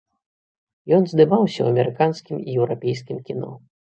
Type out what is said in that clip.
Ён здымаўся ў амерыканскім і еўрапейскім кіно.